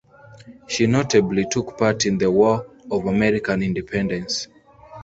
She notably took part in the War of American Independence.